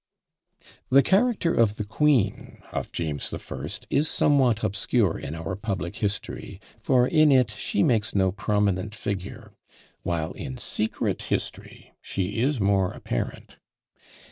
The character of the queen of James the First is somewhat obscure in our public history, for in it she makes no prominent figure; while in secret history she is more apparent.